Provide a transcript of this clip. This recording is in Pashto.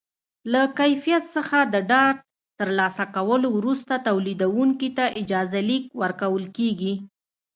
له کیفیت څخه د ډاډ ترلاسه کولو وروسته تولیدوونکي ته اجازه لیک ورکول کېږي.